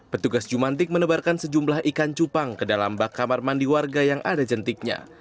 petugas jumantik menebarkan sejumlah ikan cupang ke dalam bak kamar mandi warga yang ada jentiknya